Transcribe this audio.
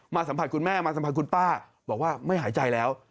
สัมผัสคุณแม่มาสัมผัสคุณป้าบอกว่าไม่หายใจแล้ว